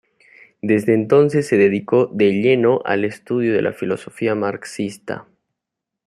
Desde entonces se dedicó de lleno al estudio de la filosofía marxista.